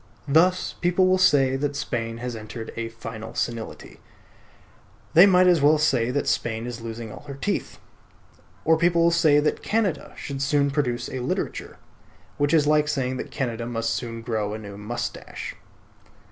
Thus people will say that Spain has entered a final senility; they might as well say that Spain is losing all her teeth. Or people will say that Canada should soon produce a literature; which is like saying that Canada must soon grow a new moustache.